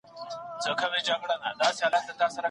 شريعت خاوند ته د ظلم اجازه نه ورکوي.